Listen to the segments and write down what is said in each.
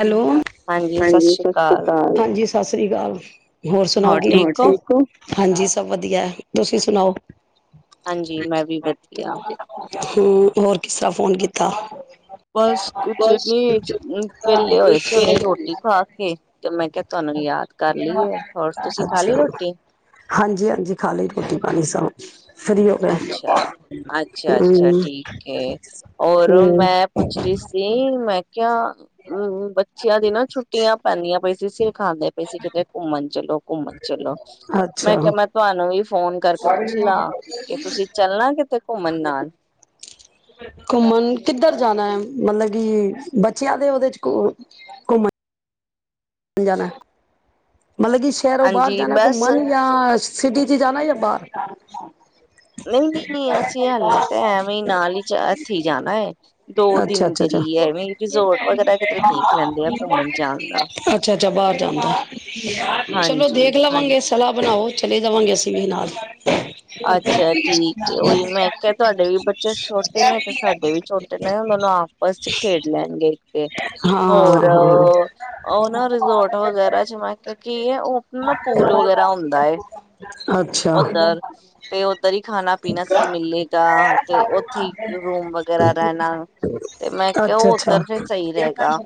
Hello ਹਾਂਜੀ ਸਤ ਸ੍ਰੀ ਅਕਾਲ। ਹਾਂਜੀ। ਸਤਿ ਸ਼੍ਰੀ ਅਕਾਲ। ਹੋਰ ਸੁਣਾਓ ਹੋਰ ਠੀਕ ਹੋ। ਹਾਂਜੀ ਸਭ ਵਧੀਆ ਏ ਤੁਸੀਂ ਸੁਣਾਓ। ਹਾਂਜੀ ਮੈਂ ਵੀ ਵਧੀਆ। ਹਮ ਹੋਰ ਕਿਸ ਤਰ੍ਹਾਂ ਫੋਨ ਕੀਤਾ। ਬਸ ਕੁਛ ਬਸ ਨੀ ਕੁਛ ਵਿਹਲੇ ਹੋਏ ਸੀ ਉਹਨੇ ਰੋਟੀ ਖਾ ਕੇ ਤੇ ਮੈਂ ਕਿਹਾ ਤੁਹਾਨੂੰ ਯਾਦ ਕਰ ਲਾਏਹ ਹੋਰ ਤੁਸੀਂ ਖਾ ਲਈ ਰੋਟੀ। ਹਾਂਜੀ-ਹਾਂਜੀ ਖਾ ਲਈ ਰੋਟੀ ਪਾਣੀ ਸਭ ਫਰੀ ਹੋ ਗਏ ਅੱਛਾ-ਅੱਛਾ-ਅੱਛਾ ਹੂੰ ਠੀਕ ਹੈ। ਓ ਹੋਰ ਹੂੰ ਮੈਂ ਪੁੱਛ ਰਹੀ ਸੀ ਮੈਂ ਕਿਹਾ ਹਮ ਬੱਚਿਆਂ ਦੀ ਨਾ ਛੁੱਟੀਆਂ ਪੈਂਦੀਆਂ ਪਈ ਸੀਰ ਖਾਂਦੇ ਪਏ ਸੀ ਕਿਤੇ ਘੁੰਮਣ ਚ ਕੁਮਨ ਚਲੋ ਮੈਂ ਅੱਛਾ ਕਿਹਾ ਮੈਂ ਤੁਹਾਨੂੰ ਵੀ ਫੋਨ ਕਰਕੇ ਪੁੱਛ ਲਾ। ਕਿ ਤੁਸੀਂ ਚੱਲਣਾ ਕਿਤੇ ਘੁੰਮਣ ਨਾਲ। ਘੁੰਮਣ ਕਿੱਧਰ ਜਾਣਾ ਹੈ ਮਤਲਬ ਕਿ ਬੱਚਿਆਂ ਦੇ ਉਹਦੇ ਚ ਘੁੰ ਘੁੰਮਣ ਅੰ ਜਾਣਾ ਮਤਲਬ ਕਿ ਸ਼ਹਿਰੋ ਬਾਹਰ ਹਾਂਜੀ ਜਾਨਾ ਬਸ ਘੂਮਨ ਯਾ ਸਿਟੀ ਚ ਜਾਾਨਾ ਜਾਂ ਬਾਹਰ ਹਾਂਛ ਨਹੀਂ ਨਹੀਂ ਨਹੀਂ ਅਸੀਂ ਹੱਅਲੇ ਤਾਂ ਐਵੇਂ ਨਾਲ ਹੀ ਇੱਥੇ ਹੀ ਜਾਣਾ ਹੈ ਦੋ ਅੱਛਾ ਦਿਨ ਅੱਛਾ ਦੇ ਅੱਛਾ ਲਈ ਐਵੇਂ ਰਿਜੋਰਟ ਵਗੈਰਾ ਕਿਧਰ ਦੇਖ ਲੈਂਦੇ ਆ ਘੁੰਮਣ ਜਾਣ ਦਾ ਅੱਛਾ ਅੱਛਾ ਬਾਹਰ ਜਾਂਦਾ ਚਲੋ ਹਾਂਜੀ ਦੇਖ ਲਵਾਂਗੇ ਹਾਂਜੀ ਸਲਾਹ ਬਣਾਓ ਚਲੇ ਜਾਵਾਂਗੇ ਅਸੀਂ ਵੀ ਨਾਲ ਅੱਛਾ ਠੀਕ ਏ ਉਹੀ ਮੈਂ ਕਿਹਾ ਤੁਹਾਡੇ ਵੀ ਬੱਚੇ ਛੋਟੇ ਨੇ ਤੇ ਸਾਡੇ ਵੀ ਛੋਟੇ ਨੇ ਦੋਨੋ ਆਪਸ ਚ ਖੇਡ ਲੈਣਗੇ ਇੱਕ ਤੇ ਹੋਰ ਹਾਂ-ਹਾਂ ਰਿਜੋਰਟ ਵਗੈਰਾ ਜ ਮੈਂ ਕਿ ਕੀ ਹੈ ਉਹਣਾ ਨਾ ਪੂਲ ਵਗੈਰਾ ਹੁੰਦਾ ਹੈ ਅੱਛਾ, ਉਧਰ ਤੇ ਉੱਧਰ ਹੀ ਖਾਣਾ ਪੀਣਾ ਸਭ ਮਿਲੇਗਾ ਤੇ ਉੱਥੇ ਰੂਮ ਵਗੈਰਾ ਰਹਿਣਾ ਤੇ ਮੈਂ ਕਿਹਾ ਉਹ ਅੱਛਾ-ਅੱਛਾ ਉਧਰ ਫ ਸਹੀ ਰਹੇਗਾ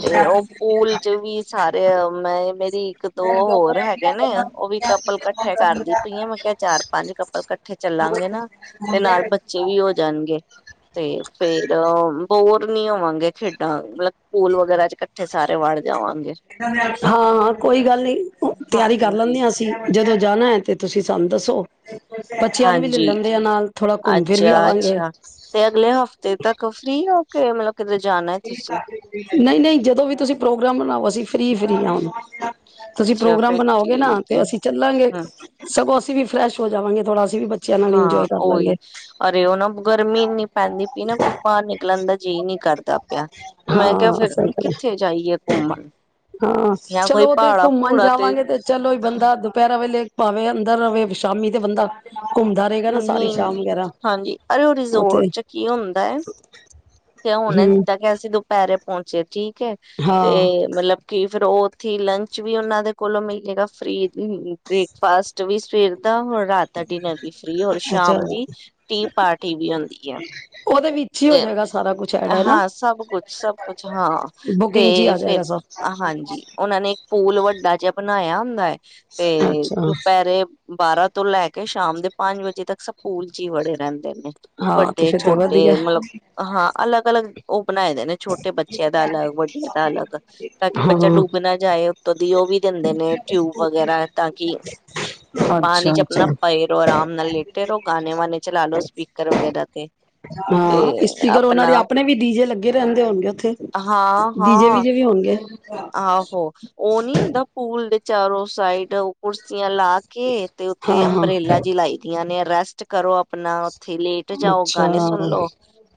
ਤੇ ਉਹ ਪੂਲ ਚ ਸਾਰੇ ਮੈਂ ਮੇਰੀ ਇੱਕ ਦੋ ਹੋਰ ਹੈਗੇ ਨੇ ਉਹ ਵੀ ਕੱਪਲ ਇਕੱਠੇ ਕਰਦੀ ਪਈਆਂ ਮੈਂ ਕਿਹਾ ਚਾਰ ਪੰਜ ਕੱਪਲ ਇਕੱਠੇ ਚੱਲਾਂਗੇ ਨਾ ਤੇ ਨਾਲ ਬੱਚੇ ਵੀ ਹੋ ਜਾਣਗੇ ਤੇ ਫੇਰ ਬੋਰ ਨੀ ਹੋਵਾਂਗੇ ਖੇਡਾਂ ਮਤਲਬ ਪੂਲ ਵਗੈਰਾ ਚ ਇਕੱਠੇ ਸਾਰੇ ਵੜ ਜਾਵਾਂਗੇ ਹਾਂ ਕੋਈ ਗੱਲ ਨਹੀਂ ਤਿਆਰੀ ਕਰ ਹਾਂਜੀ ਲੈਂਦੇ ਹ ਅਸੀਂ ਜਦੋਂ ਜਾਣਾ ਹੈ ਤੇ ਤੁਸੀਂ ਸਾਨੂੰ ਦੱਸੋ ਹ ਹਾਂਜੀ ਘੁੰਮ ਫਿਰ ਵੀ ਅੱਛਾ ਆਵਾਂਗੇ ਅੱਛਾ ਤੇ ਅਗਲੇ ਹਫ਼ਤੇ ਤੱਕ ਫ੍ਰੀ ਔ ਮਤਲਬ ਕਿਤੇ ਜਾਣਾ ਹੈ ਤੁਸੀਂ ਨਹੀਂ ਨਹੀਂ ਜਦੋਂ ਵੀ ਤੁਸੀਂ ਪ੍ਰੋਗਰਾਮ ਬਣਾਵ ਸੀ ਫਰੀ ਫਰੀ ਆ ਤੁਸੀਂ ਅੱਛਾ ਪ੍ਰੋਗਰਾਮ ਫਿਰ ਬਣਾਓਗੇ ਨਾ ਠੀਕ ਤੇ ਹੈ ਅਸੀਂ ਚੱਲਾਂਗੇ ਹਮ ਸਗੋਂ ਵੀ ਫਰੈਸ਼ ਹੋ ਜਾਵਗੇ ਥੋੜਾ ਅਸੀਂ ਬ ਹਾਂ ਉਹੀ ਅਰੇ ਉਹ ਨਾ ਗਰਮੀ ਇਨੀ ਪੈਂਦੀ ਪਈ ਨਾ ਕੁਈ ਬਾਹਰ ਨਿਕਲਣ ਦਾ ਜੀ ਨੀ ਕਰਦਾ ਪਿਆ ਮੈਂ ਕਿਹਾ ਹਾਂ ਫਿਰ ਸਹੀ ਗੱਲ ਹੈ। ਕਿੱਥੇ ਜਾਈਏ ਘੁੰਮਣ ਹਾਂ ਜਾਂ ਕੋਈ ਚਲੋ ਤੇ ਭਾੜਾ ਭੂੜਾ ਤੇ ਲੇਖ ਪਾਵੇ ਅੰਦਰ ਰਵੇ ਸ਼ਾਮੀ ਤੇ ਬੰਦਾ ਘੁੰਮਦਾ ਰਹੇਗਾ ਨਾ ਸਾਰੀ ਨਹੀਂ ਸ਼ਾਮ ਵਗੈਰਾ ਹਾਂਜੀ ਅਰੇ ਉਹ ਰਿਜ਼ੋਰਟ ਚ ਕੀ ਹੁੰਦਾ ਏ ਕਿ ਹੁਨੇ ਹਮ ਦਿੱਤਾ ਕਿ ਅਸੀਂ ਦੁਪਹਿਰੇ ਪਹੁੰਚਿਆ ਜੀ ਹੈ ਤੇ ਹਾਂ ਮਤਲਬ ਕਿ ਫੇਰ ਉਥੇ ਹੀ ਲੰਚ ਵੀ ਉਹਨਾਂ ਦੇ ਕੋਲੋਂ ਮਿਲੇਗਾ ਫ੍ਰਰੀ ਬ੍ਰੇਕਫਾਸਟ ਵੀ ਸਵੇਰ ਦਾ ਹੋਰ ਰਾਤ ਦਾ ਡਿਨਰ ਵੀ ਫ੍ਰੀ ਹੋਰ ਅੱਛਾ ਸ਼ਾਮ ਦੀ ਟੀ ਪਾਰਟੀ ਵੀ ਹੁੰਦੀ ਏ ਉਹਦੇ ਵਿੱਚ ਹੀ ਹੋ ਤੇ ਜਾਏਗਾ ਸਾਰਾ ਕੁਛ ਐਡ ਹੈ ਨਾ ਹਾਂ ਸਭ ਕੁਛ ਸਭ ਕੁਛ ਹਾਂ ਬੁਕਿੰਗ ਚ ਹੀ ਤੇ ਆ ਜਾਏਗਾ ਫਿਰ ਸਭ ਹਾਂਜੀ ਉਹਨਾਂ ਨੇ ਇੱਕ ਪੂਲ ਵੱਡਾ ਜਿਹਾ ਬਣਾਇਆ ਹੁੰਦਾਏ ਤੇ ਅੱਛਾ ਦੁਪਹਿਰੇ ਬਾਰਾਂ ਤੋਂ ਲੈ ਕੇ ਸ਼ਾਮ ਦੇ ਪੰਜ ਵਜੇ ਤੱਕ ਸਬ ਪੂਲ ਚ ਹੀ ਵੜੇ ਰਹਿੰਦੇ ਨੇ ਹਾਂ ਤੇ ਵੱਡੇ ਫਿਰ ਤੇ ਛੋਟੇ ਵਧੀਆ ਮਤਲਬ ਹਾਂ ਅਲੱਗ ਅਲੱਗ ਉਹ ਬਣਾਏ ਦੇ ਨੇ ਛੋਟੇ ਬੱਚਿਆਂ ਦਾ ਅਲੱਗ ਵੱਡਿਆਂ ਦਾ ਅਲੱਗ ਤਾਂ ਕਿ ਬੱਚਾ ਹਾਂ ਡੁੱਬ ਨਾ ਜਾਏ ਕਦੀ ਉਹ ਵੀ ਦਿੰਦੇ ਨੇ ਟਿਊਬ ਵਗੈਰਾ ਤਾਂ ਕਿ ਅੱਛਾ ਪਾਨੀ ਚ ਅੱਛਾ ਅਪਨਾ ਪਏ ਰੋ ਅਰਾਮ ਨਾਲ ਲੇਟੇ ਰੋ ਗਾਨੇ ਵਾਨੇ ਚਲਾ ਲੋ ਸਪੀਕਰ ਵਗੈਰਾ ਤੇ ਤੇ ਹਾਂ ਇਸਪੀਕਰ ਉਹਨਾਂ ਦੇ ਆਪਣਾ ਆਪਨੇ ਵੀ ਡੀਜੇ ਲੱਗੇ ਰਹਿੰਦੇ ਹੋਨਗੇ ਉੱਥੇ ਹਾਂ ਡੀਜੇ ਹਾਂ ਵੀਜੇ ਵੀ ਹੋਨਗੇ ਆਹੋ ਉਹ ਨਹੀਂ ਹੁੰਦਾ ਪੂਲ ਦੇ ਚਾਰੋਂ ਸਾਈਡਰ ਸੀ [inaudible] ਤੇ ਲਾ ਕੇ ਤੇ ਹਾਂ ਉੱਤੇ ਹਾਂ ਅੰਬਰੇਲਾ ਜਿ ਲਾਈ ਦੀਆਂ ਨੇ ਰੈਸਟ ਕਰੋ ਅਪਨਾ ਉੱਥੇ ਲੇਟ ਜਾਓ ਅੱਛਾ ਗਾਨੇ ਸੁਣ ਲਓ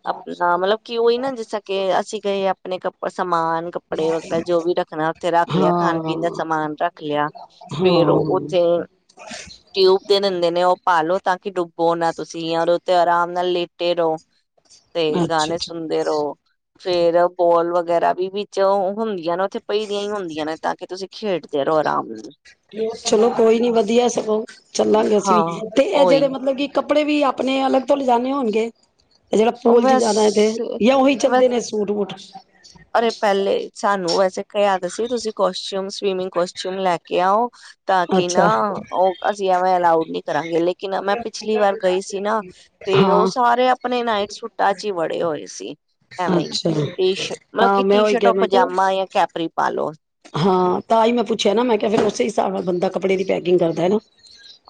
ਅਪਨਾ ਮਤਲਬ ਕਿ ਉਹੀ ਨਾ ਜਿਸ ਤਰਾਂ ਕਿ ਅਸੀਂ ਗਏ ਅਪਨੇ ਕੱ ਉਹ ਸਮਾਨ ਕੱਪੜੇ ਵਗੈਰਾ [inaudible] ਜੋ ਵੀ ਰੱਖਣਾ ਉੱਥੇ ਰੱਖ ਲਿਆ ਖਾਨ ਹਾਂ ਪੀਨ ਦਾ ਸਮਾਨ ਰੱਖ ਲਿਆ ਫੇਰ ਹਾਂ ਉੱਥੇ ਟਿਊਬ ਦੇ ਦਿੰਦੇ ਨੇ ਉਹ ਪਾਲੋ ਤਾਂ ਕਿ ਡੁੱਬੋ ਨਾ ਤੁਸੀ ਯਾ ਜਾਂ ਉਹਦੇ ਤੇ ਅਰਾਮ ਨਾਲ ਲੇਟੇ ਰਹੋ ਤੇ ਅੱਛਾ ਗਾਨੇ ਅੱਛਾ ਸੁਣਦੇ ਰਹੋ ਫੇਰ ਬੋਲ ਵਗੈਰਾ ਵੀ ਵਿੱਚ ਹੁੰਦੀ ਕੀ ਨਾ ਉੱਥੇ ਪਈ ਦੀਆਂ ਹੀ ਹੁੰਦੀਆਂ ਨੇ ਤਾਂ ਕਿ ਤੁਸੀਂ ਖੇਡਦੇ ਰਹੋ ਆਰਾਮ ਨ ਚਲੋ ਕੋਈ ਨੀ ਵਧੀਆ ਸਗੋਂ ਚੱਲਾਂਗੇ ਅਸੀਂ ਹਾਂ ਵੀ ਤੇ ਇਹ ਜਿਹੜੇ ਉਹੀ ਮਤਲਬ ਕਿ ਕ ਕੱਪੜੇ ਵੀ ਆਪਨੇ ਅਲੱਗ ਤੋਂ ਲਿਜਾਨੇ ਹੋਨਗੇ ਤੇ ਜਿਹੜਾ ਪੂਲ ਚ ਬਸ ਜਾਨਾ ਏ ਜਾਂ ਉਹੀ ਚੱਲਦੇ ਨੇ ਸੂਟ ਵੂਟ ਪਰ ਇਹ ਪਹਿਲੇ ਸਾਨੂੰ ਵੈਸੇ [inaudible] ਪੱਕਾ ਯਾਦ ਸੀ ਤੁਸੀਂ ਕੋਸਚਿਊਮ ਸਵਿਮਿੰਗ ਕੋਸਟਿਊਮ ਲੈ ਕੇ ਆਓ ਤਾਂ ਕਿ ਨਾ ਅੱਛਾ ਉਹ ਅਸੀਂ ਐਵੇਂ ਅਲਾਉਡ ਨੀ ਕਰਾਂਗੇ ਲੇਕਿਨ ਮੈਂ ਪਿਛਲੀ ਵਾਰ ਗਈ ਸੀ ਨਾ ਤੇ ਉਹ ਹਾਂ ਸਾਰੇ ਅਪਨੇ ਨਾਈਟ ਸੁੱਟਾਂ ਚ ਹੀ ਵੜੇ ਹੋਏ ਸੀ ਅੱਛਾ ਮਲਬ ਹਾਂ ਕਿ ਮੈਂ ਟੀ ਉਹੀ ਸ਼ਰਟ ਕਿਹਾ ਮੈਂ ਕਿਹਾ ਪਜਾਮਾ ਯਾ ਕੈਪਰੀ ਪਾ ਲੋ ਹਾਂ ਤਾਂ ਈ ਮੈਂ ਪੁੱਛਿਆ ਨਾ ਮੈਂ ਕਿਹਾ ਫਿਰ ਉਸੇ ਹਿਸਾਬ ਨਾਲ ਬਦਾ ਕੱਪੜੇ ਦੀ ਪੈਕਿੰਗ ਕਰਦਾ ਏ ਨਾ।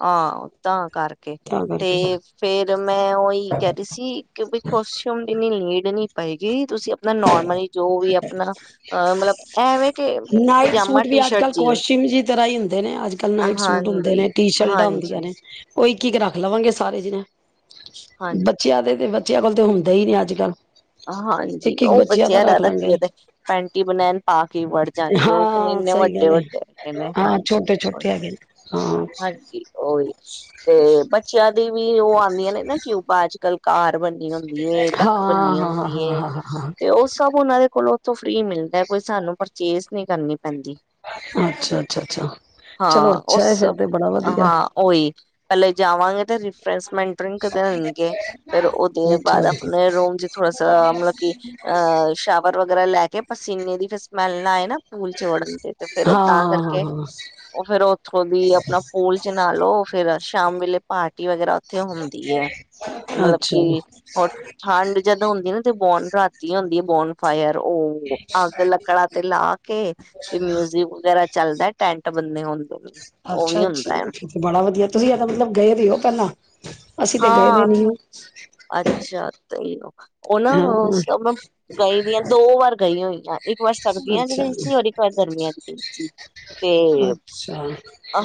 ਹਾਂ ਤਾਂ ਕਰਕੇ ਤਾਂ ਕਰਕੇ ਤੇ ਫੇਰ ਮੈਂ ਉਹੀ ਕਹਿ ਰਹੀ ਸੀ ਕਿ ਕੋਸ਼ਚਿਊਮ ਦੀ ਇਨੀ ਨੀਡ ਨੀ ਪਏਗੀ ਤੁਸੀਂ ਅ ਮੈ ਨੋਰਮਲੀ ਜੋ ਵੀ ਅਪਨਾ ਮਲਬ ਏਵੇ ਕੇ ਨਾਈਟ ਪਜਾਮਾ ਸੂਟ ਵੀ ਟੀ ਅੱਜ ਸ਼ਰਟ ਕੱਲ੍ਹ ਜੀਨ ਕੋਸਟਿਊਮ ਜੀ ਤਰ੍ਹਾਂ ਹੀ ਹਾਂਜੀ ਚਲਦਾ ਹੁੰਦੀਆਂ ਹਾਂਜੀ ਨੇ ਉਹ ਇੱਕ ਇੱਕ ਰੱਖ ਲਵਾਂਗੇ ਸਾਰੇ ਜਿਣੇ ਹਾਂ ਬੱਚਿਆਂ ਦੇ ਤੇ ਬੱਚਿਆਂ ਕੋਲ ਤੇ ਹੁੰਦੇ ਈ ਨੇ ਅੱਜ ਕੱਲ੍ਹ ਹਾਂਜੀ ਇੱਕ ਇੱਕ ਉਹ ਬੱਚਿਆਂ ਬਚਿਆ ਦਾ ਰੱਖ ਤਾਂ ਕੀ ਏ ਲਾਂਗੇ ਪੈਂਟੀ ਬਨੈਨ ਪਾ ਕੀ ਵੜ ਜਾਣਗੇ, ਉਹ ਕਹਿੰਦੇ ਹਾਂ ਇੰਨੇ ਸਹੀ ਗੱਲ ਹੈ ਵੱਡੇ-ਵੱਡੇ ਹੈਗੇ ਨੇ ਹਾਂ ਛੋਟੇ ਛੋਟੇ ਹੈਗੇ ਨੇ ਹਾਂਜੀ-ਹਾਂਜੀ ਉਹੀ ਤੇ ਬੱਚਿਆਂ ਦੀ ਵੀ, ਉਹ ਆਦੀਆਂ ਨੇ ਨਾ ਟਿਊਬਾਂ ਚ ਕਲਕਾਰ ਬਣ ਹੁੰਦੀ ਐ ਢੰਕ ਹਾਂ ਬੰਨੀਆ, ਹਾਂ ਹਾਂ ਹਾਂ ਹਾਂ ਹਾਂ ਹਾਂ ਤੇ ਉਹ ਸਭ ਉਹਨਾਂ ਦੇ, ਕੋਲ ਉੱਥੋਂ ਫ੍ਰਰੀ ਮਿਲਦਾ ਕੋਈ ਸਾਨੂੰ ਪਰਚੇਸ ਨਹੀਂ ਕਰਨੀ, ਪੈਂਦੀ, ਅੱਛਾ ਅੱਛਾ ਅੱਛਾ ਚਲੋ ਹਾਂ ਅੱਛਾ ਉਸ ਹੈ ਫਿਰ ਤੇ ਬੜਾ ਵਧੀਆ ਹਾਂ ਉਹੀ ਪਹਿਲਾਂ ਜਾਵਾਂਗੇ ਤੇ ਮਟਰਿੰਗ ਕਰਨਗੇ ਫੇਰ ਉਹਦੇ ਅੱਛਾ ਬਾਅਦ ਆਪਣੇ ਰੂਮ ਚ ਮਤਲਬ ਕਿ ਅ ਸ਼ਵਰ, ਵਗੈਰਾ ਲੈ ਕੇ ਪਸੀਨੇ ਦੀ ਫਿਰ ਸਮੈਲ ਨਾ ਆਏ ਨਾ, ਪੂਲ ਚ ਵੜਨ ਤੇ ਤੇ ਫੇਰ ਉਹ ਹਾਂ ਤਾਂ ਹਾਂ ਕਰਕੇ ਹਾਂ ਉਹ ਫੇਰ ਉੱਥੋਂ ਦੀ ਆਪਣਾ ਪੂਲ ਚ ਨਾ ਲਓ, ਫੇਰ ਸ਼ਾਮ ਵੇਲੇ ਪਾਰਟੀ ਵਗੈਰਾ ਉੱਥੇ ਹੁੰਦੀ ਹੈ, ਤੇ ਹਾਂ ਮਤਲਬ ਅੱਛਾ ਕਿ ਹੋ ਠੰਡ ਜਦੋਂ ਹੁੰਦੀ ਨਾ ਤੇ ਬੋਣ ਰਾਤੀ ਹੁੰਦੀ ਹੈ ਬੋਣ ਫਾਇਰ, ਉਹ ਆਪਦੇ ਲੱਕੜਾਂ ਤੇ ਲਾ ਕੇ ਤੇ ਮਿਊਜ਼ਅਮ ਵਗੈਰਾ, ਚੱਲਦਾ ਟੈਂਟ ਬੰਨੇ ਹੋਣ ਤੋਂ ਵੀ, ਅੱਛਾ-ਅੱਛਾ, ਹੁੰਦਾ ਹੈ ਉਥੇ ਬੜਾ ਵਧੀਆ ਤੁਸੀਂ ਮਤਲਬ ਗਏ ਵੀ ਹੋ ਪਹਿਲਾਂ ਅਸੀਂ ਤੇ ਗਏ ਵੀ ਹਾਂ ਨੀ, ਅੱਛਾ ਸਹੀ, ਉਹ ਨਾ ਹਾਂ ਸ ਗਈ ਵੀ ਆ ਦੋ ਵਾਰ ਗਈ ਹੋਈ। ਹਾਂ ਇੱਕ ਵਾਰ ਸਰਦੀਆਂ ਚ ਅੱਛਾ ਗਈ ਸੀ, ਔਰ ਇੱਕ ਵਾਰ ਗਰਮੀਆਂ ਚ ਗਈ ਸੀ, ਤੇ ਅੱਛਾ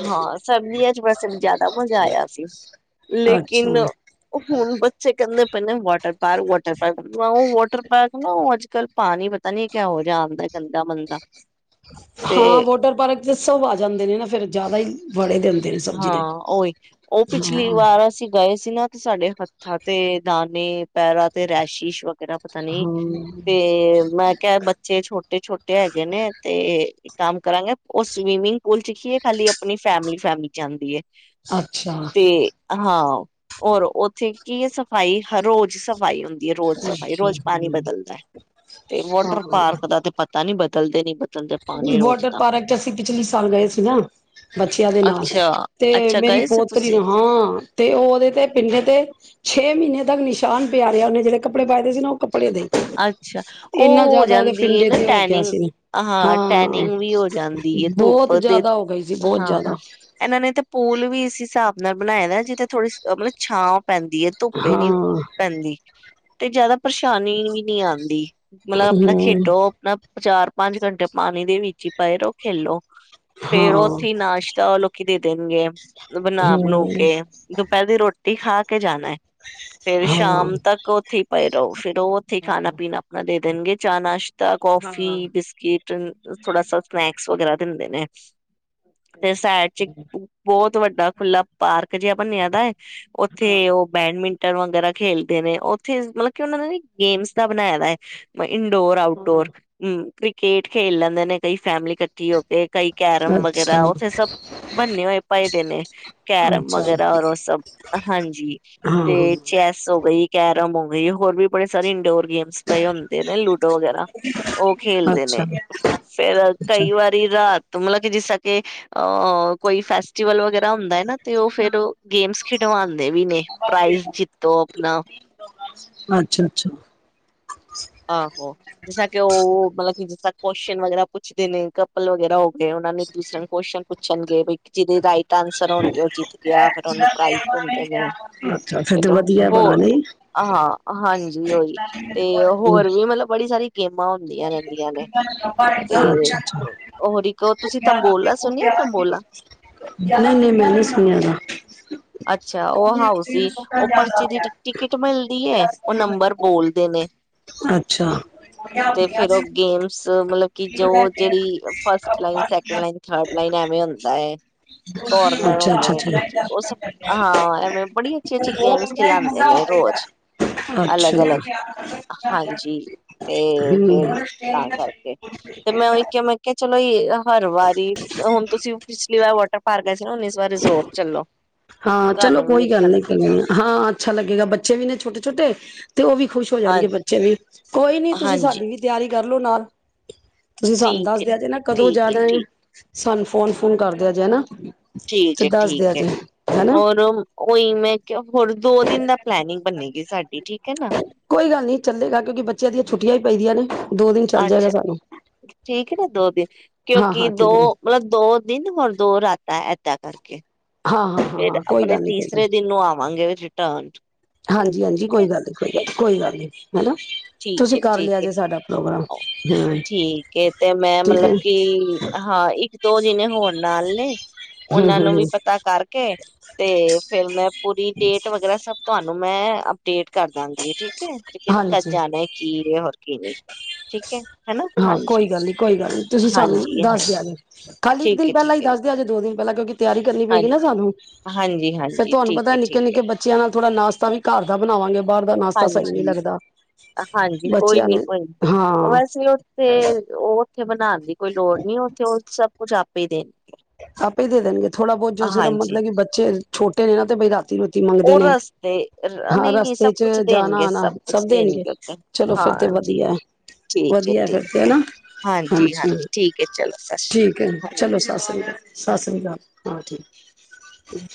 ਹਾਂ ਸਰਦੀਆਂ ਚ ਵੈਸੇ ਜ਼ਿਆਦਾ ਮਜ਼ਾ ਆਇਆ ਸੀ ਲੇ ਕਿਨ ਅੱਛਾ ਹੁਣ ਬੱਚੇ ਕਹਿੰਦੇ ਪਏ ਨੇ ਵਾਟਰ ਪਾਰਕ, ਵਾਟਰ ਪਾਰਕ ਉਹ ਵਾਟਰ ਪਾਰਕ ਨਾ ਅਜ- ਅੱਜ ਕੱਲ ਪਾਣੀ ਪਤਾ ਨੀ ਕਿਹੋ ਜਿਹਾ ਆਂਦਾ। ਗੰਦਾ ਮੰਦਾ ਤੇ ਹਾਂ ਵੋਟਰ ਪਾਰਕ ਚ ਸਭ ਆ ਜਾਂਦੇ ਨੇ ਨਾ ਫੇਰ ਜ਼ਿਆਦਾ ਹੀ ਵੜੇ ਦੇ ਹੁੰਦੇ। ਨੇ ਸਬਜ਼ੀ ਨੇ ਹਾਂ ਉਹੀ ਉਹ ਪਿਛਲੀ ਹਾਂ ਵਾਰ ਅਸੀਂ ਗਏ ਸੀ ਨਾ, ਸਾਡੇ ਹੱਥਾਂ ਤੇ ਦਾਨੇ ਪੈਰਾਂ ਤੇ ਰੈਸ਼ਿਸ਼ ਵੇ ਗੈਰਾ ਪਤਾ ਨੀ ਤੇ ਹਾਂ ਮੈਂ ਕਿਹਾ ਬੱਚੇ ਛੋਟੇ-ਛੋਟੇ ਹੈਗੇ ਨੇ ਤੇ, ਕੰਮ ਕਰਾਂਗੇ ਉਹ ਸਵੀਮਿੰਗ ਪੂਲ ਚ ਹੀਏ ਖਾਲੀ ਆਪਣੀ ਫੈਮਿਲੀ-ਫੈਮਲੀ, ਜਾਂਦੀ ਏ, ਅੱਛਾ, ਹਾਂ ਹੋਰ ਉੱਥੇ ਕੀ ਹੈ ਸਫ਼ਾਈ ਹਰ ਰੋਜ਼ ਸਬ- ਸਫ਼ਾਈ ਹੁੰਦੀ ਹੈ ਰੋਜ਼ ਸਫ਼ਾਈ ਅੱਛਾ ਰੋਜ਼ ਪਾਣੀ ਬਦਲਦਾ ਤੇ ਹਾਂ ਵਾਟਰ ਪਾਰਕ ਹਾਂ। ਦਾ ਤੇ ਪ- ਤਾਂ ਨੀ ਬਦਲਦੇ ਨੀ ਬਦ- ਵਾਟਰ ਪਾਰਕ ਚ ਅਸੀਂ ਪਿਛਲੀ ਸਾਲ ਗਏ ਸੀ ਨਾ ਬੱਚਿਆਂ ਦੇ ਨਾਲ- ਅੱਛਾ ਤੇ ਅੱਛਾ ਮੇਰੀ ਗਏ ਸੀ ਪੋਤਰੀ ਤੁਸੀਂ ਨੂੰ ਹਾਂ ਤੇ ਉਹ ਉਹਦੇ ਤੇ ਪਿੰਡੇ ਤੇ ਛੇ ਮਹੀਨੇ- ਨਿਸ਼ਾਨ ਪਿਆ ਰਿਹਾ ਉਨੇ ਜਿਹੜੇੱ ਕਪੜੇ ਪਾਏ ਦੇ ਸੀ ਨਾ ਉਹ ਕਪੜੇ- ਕੱਪੜੇ ਅੱਛਾ ਦੇ ਇੰਨਾ ਉਹ ਹੋ ਜ਼ਿਆਦਾ ਉਹਦੇ ਜਾਂਦੀ ਹੈ ਪਿੰਡੇ ਨਾ ਤੇ ਹੋ ਗਿਆ ਟੈਨਿੰਗ ਸੀ ਨਾ ਹਾਂ ਟੈਨਿੰਗ ਵੀ ਹੋ ਜਾਂਦੀ ਏ ਧੁੱਪ ਬਹੁਤ ਦੇ ਜ਼ਿਆਦਾ ਹੋ ਗਈ ਸੀ ਬਹੁਤ ਹਾਂ ਜ਼ਿਆਦਾ ਇਹਨਾਂ ਨੇ ਤੇ ਪੂਲ ਵੀ ਇਸ ਹਿਸਾਬ ਨਾ- ਆਪਣੇ ਆਪ ਬਣਾਯਾ ਦੈ ਜਿੱਥੇ ਥੋੜੀ ਮਤਲਬ ਛਾਂ- ਪੈਂਦੀ ਹੈ ਧੁੱਪੇ ਨੀ ਹਾਂ ਪੈਂਦੀ- ਤੇ ਜ਼ਿਆਦਾ ਪਰੇਸ਼ਾਨੀ ਵੀ- ਨੀ ਆਂਦੀ- ਮਤਲਬ ਆਪਣਾ ਹਮ ਖੇਡੋ ਆਪਣਾ- ਚਾਰ ਪੰਜ ਘੰਟੇ ਪਾਣੀ ਦੇ ਵਿੱਚ ਹੀ ਪਏ ਰਹੋ ਖੇਲੋ ਫੇਰ ਹਾਂ ਉੱਥੇ ਹੀ ਨਾਮ਼ਤਾ ਲੋਕ ਕਿ ਦੇ ਦੇਣਗੇ ਬਣਾ ਬਣੂ ਹੂੰ, ਕੇ ਦੁਪਹਿਰ ਦੀ ਰੋਟੀ ਖਾ ਕੇ ਜਾਣਾ ਏ ਫੇਰ ਹਾਂ। ਸ਼ਾਮ ਤੱਕ ਉੱਥੇ ਪਏ ਰਹੋ ਫਿਰ ਓਹ ਉੱਥੇ ਹਾਂ, ਖਾਣਾ ਪੀਣਾ ਆਪਣਾ ਦੇ ਦੇਣਗੇ ਚਾਹ ਨਾਸ਼ ਕੌਫੀ ਹਾਂ, ਬਿਸਕਿਟ ਥੋੜਾ ਸਾ ਸਨੈਕ ਵਗੈਰਾ ਦਿੰਦੇ ਨੇ ਤੇ ਸਹਿਰ ਚ ਬਹੁਤ ਬਹੁ ਵੱਡਾ ਖੁੱਲਾ ਪਾਰਕ ਜਿਹਾ ਬੰਨਿਆ ਦਾ ਹੈ ਉੱਥੇ ਉਹ ਬੈਡਮਿੰਟ ਟਰ ਵਗੈਰਾ ਖੇਲਦੇ ਨੇ ਉੱਥੇ ਮਤਲਬ ਕਿ ਉਹਨਾਂ ਦਾ ਨੀ ਗੇਮਸ ਦਾ ਬਣਾਇਆ ਦਾ ਏ ਇਨਡੋਰ ਆਊਟ ਹਾਂ। ਡੋਰ ਹਮ ਕ੍ਰਿਕੇਟ ਖੇਲ ਲੈਂਦੇ ਨੇ ਕਈ ਫੈਮਲੀ ਹੋ ਕੇ ਕਈ ਕੈਰਮ ਅੱਛਾ, ਵਗੈਰਾ ਉੱਥੇ ਸਬ ਬੰਨੇ ਹੋਏ ਪਏ ਦੇ ਨੇ ਕੈਰਮ ਅੱਛਾ, ਵਗੈਰਾ ਔਰ ਉਹ ਸਭ ਹਾਂਜੀ ਹਾਂ, ਤੇ ਚੈਸ ਹੋ ਗਈ ਕੈਰਮ [unintelligible] ਹੋਰ ਵੀ ਸਾਰੀ ਇਨਡੋਰ ਗੇਮ ਹੁੰਦੇ ਨੇ ਲੂਡੋ ਵਗੈਰਾ ਉਹ ਅੱਛਾ, ਖੇਲਦੇ ਨੇ ਅੱਛਾ। ਫੇਰ ਕਈ ਵਾਰੀ ਰਾਤ ਮਤਲਬ ਕਿ ਜਿਸ ਤ ਕੇ ਅਹ ਕੋਈ, ਫੈਸਟੀਵਲ ਵਗਰਾ ਹੁੰਦਾ ਹੈ, ਨਾ ਤੇ ਉਹ ਫੇਰ ਗੇਮਸ ਖਿਡਵਾਦੇ ਵੀ ਨੇ ਪ੍ਰਾਈਜ਼ ਜਿੱਤੋ ਆਪਣਾ ਅੱਛਾ-ਅੱਛਾ, ਆਹੋ ਜਿਸ ਤਰਾ ਕਿ ਉਹ ਮਤਲਬ ਕਿ ਜਿਸ ਤਰਾ ਕੁਸ਼ਚਨ ਵਗੈਰਾ ਪੁੱਛਦੇ ਨੇ ਕਪਲ ਵਗੈਰਾ ਔ। ਏ ਉਹਨਾਂ ਨੇ ਦੂਸਰਾ ਨੂੰ ਕੁਸ਼ਚ ਪੁੱ ਪੁੱਛਣਗੇ ਬ ਜਿਹਦੇ ਰਾਹੀ ਸਰ ਹੋਣਗੇ, ਉਹ ਜਿੱਤ ਗਿਆ ਫਿਰ ਉਹਨੂੰ ਪ੍ਰਾਈਜ਼ ਦਿੰਦੇ ਨੇ, ਅੱਛਾ, ਅੱਛਾ, ਤੇ ਫਿਰ ਵਧੀਆ ਬੜਾ ਹੋਰ ਨਈ। ਹਾਂ ਹਾਂਜੀ ਉਹੀ ਤੇ ਉਹ ਹੋਰ ਵੀ ਮਤਲਬ ਬੜੀ, ਸਾਰੀ, ਰਹਿੰਦੀਆਂ ਨੇ ਤੇ ਅੱਛਾ-ਅੱਛਾ, ਹੋਰ ਇੱਕ ਤੁਸੀਂ ਤੰਬੋਲਾ ਸੁਣਿਆ ਤੰਬੋਲਾ ਨਹੀਂ ਨਹੀਂ ਮੈਂ ਨਹੀਂ ਸੁਣਿਆ। ਅੱਛਾ ਉਹ ਹਾਊ ਸੀ ਉਹ ਪਰਚੀ ਦੀ ਟ ਟਿਕਟ ਮਿਲਦੀ ਹੈ, ਉਹ ਨੰਬਰ ਬੋਲਦੇ ਨੇ ਅੱਛਾ, ਤੇ ਫੇਰ ਉਹ ਗੇਮਸ ਮਤਲਬ ਕੀ ਜੋ ਜਿਹੜੀ first line second line third line ਐਵੇਂ ਹੁੰਦਾ ਹੈ, ਕੋਰਨਰ ਹੁੰਦੇ ਅੱਛਾ-ਅੱਛਾ-ਅੱਛਾ, ਨੇ ਮਤਲਬ ਕੀ ਉਹ ਸਭ ਅੱਛਾ। ਹਾਂ ਐਵੇਂ ਬੜੀ ਅੱਛੀ-ਅੱਛੀ ਗੇਮਸ ਖਿਲਾਂਦੇ ਨੇ ਰੋਜ਼ ਅੱਛਾ। ਅਲੱਗ-ਅਲੱਗ ਅੱਛਾ। ਹਾਂਜੀ, ਤੇ ਹੂੰ। ਫੇਰ ਤਾਂ ਕਰਕੇ, ਤੇ ਮੈਂ ਉਹੀ ਕਿਹਾ ਮੈਂ ਕਿਹਾ ਚਲੋ। ਹਰ ਵਾਰੀ ਹੁਣ ਤੁਸੀਂ ਪਿਛਲੀ ਵਾਰ ਵਾਟਰ ਪਾਰਕ ਗਏ ਸੀ। ਹੁਣ ਇਸ ਵਾਰ ਰਿਜ਼ੋਰਟ ਚੱਲੋ। ਹਾਂ ਚਲੋ, ਤੁਹਾਨੂੰ ਵੀ ਕੋਈ ਗੱਲ ਅੱਛਾ ਨੀ ਲੱਗੇਗਾ ਹਾਂ ਅੱਛਾ ਲੱਗੇਗਾ ਬੱਚੇ ਵੀ ਨੇ ਛੋਟੇ ਛੋਟੇ ਤੇ ਉਹ ਵੀ ਖੁਸ਼ ਹੋ ਹਾਂ ਜਾਣਗੇ ਬੱਚੇ ਵੀ, ਕੋਈ ਨੀ ਤੁਸੀਂ ਹਾਂਜੀ ਸਾਡੀ ਵੀ ਤਿਆਰੀ ਕਰ ਕਰਲੋ ਨਾਲ, ਤੁਸੀਂ ਸਾਨੂੰ ਠੀਕ ਹੈ, ਦੱਸਦੇ ਆ ਜੇ ਨਾ ਕਦੋਂ ਠੀਕ ਜਾਣਾ ਹੈ। ਠੀਕ, ਸਾਨੂੰ ਫੋਨ ਫੋਨ ਕਰਦੇ ਆ ਜੇ ਹਨਾ। ਠੀਕ ਤੇ ਹੈ ਦੱਸ ਦਿਆ ਠੀਕ ਹੈ, ਜੇ ਹਨਾ ਹੋਰ ਉਹੀ ਮੈਂ ਹੋਰ ਦੋ ਦਿਨ ਦਾ ਪਲਨਿੰਗ ਬਣੇਗੀ ਸਾਡੀ ਠੀਕ ਹੈ ਨਾ, ਕੋਈ ਗੱਲ ਨੀ ਚੱਲੇਗਾ ਕਿਉਂਕਿ ਬੱਚਿਆਂ ਦੀਆਂ ਛੁੱਟੀਆਂ ਹੀ ਪੈਦੀਆਂ ਨੇ ਦੋ ਦਿਨ ਚੱਲ ਜਾਏਗਾ ਅੱਛਾ, ਸਾਨੂੰ ਠੀਕ ਨਾ ਦੋ ਦਿਨ ਹਾਂ ਕਿਉਂਕਿ ਹਾਂ ਦੋ ਠੀਕ ਨੇ ਮਤਲਬ ਦੋ ਦਿਨ ਹੋਰ ਦੋ ਰਾਤਾਂ, ਐਦਾ ਕਰਕੇ, ਫਿਰ ਹਾਂ-ਹਾਂ-ਹਾਂ-ਹਾਂ, ਕੋਈ ਆਪਣੇ ਗੱਲ ਨੀ ਕੋਈ ਗੱਲ ਤੀਸਰੇ ਨੀ ਦਿਨ ਨੂੰ ਆਵਾਂਗੇ ਰਿਟਰਨ ਹਾਂਜੀ ਹਾਂਜੀ ਠੀਕ ਹੈ, ਕੋਈ ਗੱਲ ਨੀ ਕੋਈ ਗੱਲ ਕੋਈ ਗੱਲ ਨੀ ਹਨਾ, ਠੀਕ ਹੈ, ਤੁਸੀਂ ਕਰ ਲਿਆ ਠੀਕ ਹੈ। ਜੇ ਸਾਡਾ ਆਪੋ ਠੀਕ ਤੇ ਮੈਂ ਠੀਕ ਮਤਲਬ ਹੈ ਕਿ ਹਾਂ ਇੱਕ ਦੋ ਜਿਨੇ ਹੋਣ। ਨਾਲ ਨੇ, ਹਮ ਉਹਨਾਂ ਹਮ ਨੂੰ ਵੀ ਹਮ ਪਤਾ ਕਰਕੇ ਤੇ ਫੇਰ ਮੈਂ ਪੂਰੀ ਡੇਟ ਵਗੈਰਾ ਸਭ ਤੁਹਾਨੂੰ ਨੂੰ ਮੈਂ ਡੇਟ ਕਰ ਦਾਂ ਗੀ ਠੀਕ ਹੈ ਕਿ ਕ ਹਾਂਜੀ ਜਾਣਾ ਹੈ ਕੀ ਹੋਰ ਕੀ ਕਿਵੇਂ ਠੀਕ ਹੈ ਹਾਂ ਕੋਈ ਗੱਲ ਨਹੀਂ ਕੋਈ ਗੱਲ ਨਹੀਂ ਤੁਸੀਂ ਸਾਨੂੰ ਹਾਂਜੀ ਦੱਸ ਹਾਂਜੀ ਦਜੇ ਖਾਲੀ ਇੱਕ ਠੀਕ ਦਿਨ ਹੈ ਠੀਕ ਪਹਿਲਾਂ ਹੀ ਹੈ ਦੱਸਦੇ ਆਜੇ ਦੋ ਦਿਨ ਬਲੱਗ ਤਿਆਰੀ ਕਰਨੀ ਪਏਗੀ ਨਾ ਹਾਂਜੀ ਸਾਨੂੰ ਹਾਂਜੀ ਫਿਰ ਹਾਂਜੀ ਤੁਹਾਨੂੰ ਠੀਕ ਪਤਾ ਹੈ ਨਿੱਕੇ ਠੀਕ ਹੈ ਨਿੱਕੇ ਬੱਚਿਆਂ ਨਾਲ ਥੋੜਾ ਨਾਸ਼ਤਾ ਵੀ ਘਰ ਦਾ ਬਣਾਵਾਂਗੇ ਬਾਹਰ ਦਾ ਨਾਸ਼ਤਾ ਸਹੀ ਨੀ ਹਾਂਜੀ ਲੱਗਦਾ ਹਾਂਜੀ ਬੱਚਿਆਂ ਨੂੰ ਹਾਂ ਤੇ ਉਹ ਉੱਥੇ ਬਣਾਉਣ ਦੀ ਕੋਈ ਲੋੜ ਨਹੀਂ ਉੱਥੇ ਉਹ ਸਬ ਕੁੱਝ ਆਪੇ ਹੀ ਦੇਣਗੇ ਆਪੇ ਹੀ ਦੇ ਦੇਣਗੇ ਥੋੜਾ ਬਹੁਤ ਜੋ ਸਿਰਫ ਹਾਂਜੀ ਮਤਲਬ ਕਿ ਬੱਚੇ ਛੋਟੇ ਨੇ ਨਾ ਤੇ ਬਈ ਰਾ ਉਹ ਰਸਤੇ ਨਹੀਂ ਨੀ ਰਸਤੇ ਸਭ ਚ ਕੁਛ ਜਾਣਾ ਦੇਣਗੇ ਆਣਾ ਸਭ ਕੁਛ ਦੇਣਗੇ ਉੱਥੇ ਚਲੋ ਫਿਰ ਤੇ ਹਾਂਜੀ ਵਧੀਆ ਠੀਕ ਹੈ ਵਧੀਆ ਫਿਰ ਤੇ ਠੀਕ ਹੈ ਹਨਾ ਹਾਂਜੀ ਹਾਂਜੀ ਠੀਕ ਹੈ ਚਲੋ ਸਤਿ ਸ੍ਰੀ ਠੀਕ ਅਕਾਲ ਹੈ ਹਾਂਜੀ ਚਲੋ ਸਤਿ ਸ੍ਰੀ ਅਕਾਲ ਸਤਿ ਸ਼੍ਰੀ ਅਕਾਲ ਹਾਂ ਠੀਕ